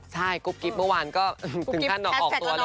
เมื่อวานก็ถึงขั้นฮอตออกตัวเลย